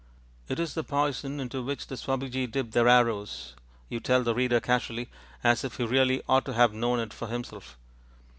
("It is the poison into which the Swabiji dip their arrows," you tell the reader casually, as if he really ought to have known it for himself.)